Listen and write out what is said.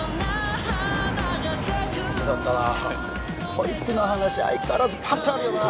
こいつの話相変わらずパンチあるよな。